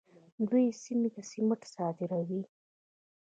دوی سیمې ته سمنټ صادروي.